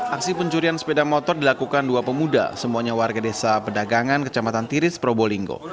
aksi pencurian sepeda motor dilakukan dua pemuda semuanya warga desa pedagangan kecamatan tiris probolinggo